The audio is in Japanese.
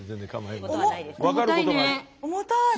重たいね。